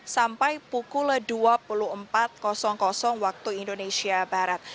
sampai pukul dua puluh empat waktu indonesia barat